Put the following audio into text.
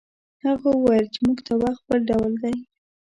هغه وویل موږ ته وخت بل ډول دی.